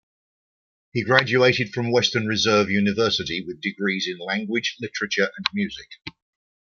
He graduated from Western Reserve University with degrees in language, literature and music.